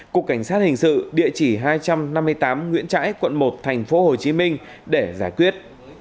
cục cảnh sát hình sự địa chỉ hai trăm năm mươi tám nguyễn trãi quận một tp hcm để giải quyết